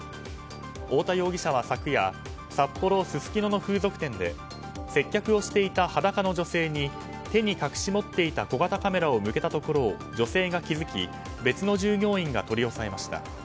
太田容疑者は昨夜札幌すすきのの風俗店で接客をしていた裸の女性に手に隠し持っていた小型カメラを向けたところを女性が気付き別の従業員が取り押さえました。